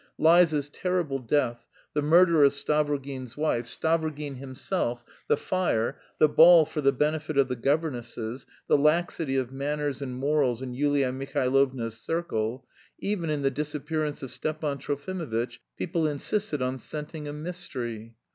Liza's terrible death, the murder of Stavrogin's wife, Stavrogin himself, the fire, the ball for the benefit of the governesses, the laxity of manners and morals in Yulia Mihailovna's circle.... Even in the disappearance of Stepan Trofimovitch people insisted on scenting a mystery.